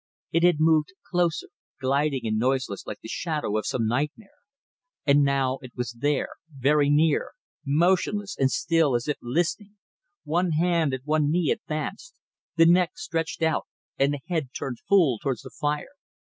It had moved closer, gliding and noiseless like the shadow of some nightmare, and now it was there, very near, motionless and still as if listening; one hand and one knee advanced; the neck stretched out and the head turned full towards the fire.